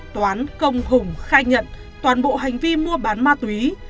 toán công hùng khai nhận toàn bộ hành vi mua bán ma túy